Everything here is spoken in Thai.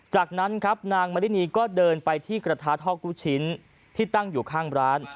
จากนั้นครับนางมรินีก็เดินไปที่กระทะท่อกุชิ้นที่ตั้งอยู่ข้างร้าน